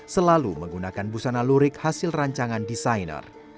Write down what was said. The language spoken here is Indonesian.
selalu menggunakan busana lurik hasil rancangan desainer